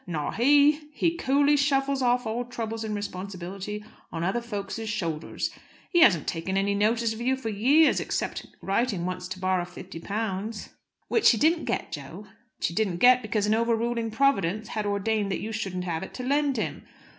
Not he. He coolly shuffles off all trouble and responsibility on other folks' shoulders. He hasn't taken any notice of you for years, except writing once to borrow fifty pounds " "Which he didn't get, Jo." "Which he didn't get because an over ruling Providence had ordained that you shouldn't have it to lend him.